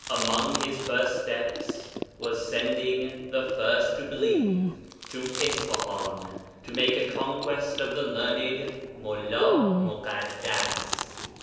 Among his first steps was sending the 'First to Believe' to Isfahan to make a conquest of the learned Mullā Muḳaddas.